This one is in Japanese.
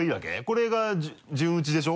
これが順打ちでしょ？